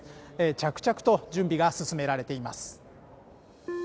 着々と準備が進められています。